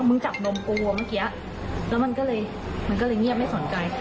กลัวเมื่อกี้แล้วมันก็เลยมันก็เลยเงียบไม่สนใจ